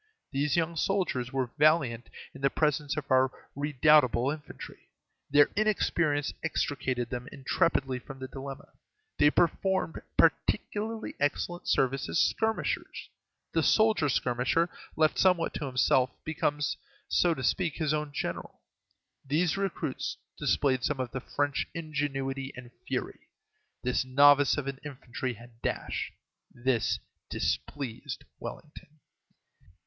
These young soldiers were valiant in the presence of our redoubtable infantry; their inexperience extricated them intrepidly from the dilemma; they performed particularly excellent service as skirmishers: the soldier skirmisher, left somewhat to himself, becomes, so to speak, his own general. These recruits displayed some of the French ingenuity and fury. This novice of an infantry had dash. This displeased Wellington.